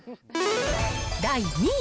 第２位。